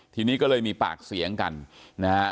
ทีนี้ก็เลยมีปากเสียงกันนะฮะ